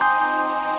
suara memang sama